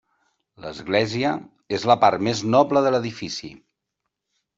L'església és la part més noble de l'edifici.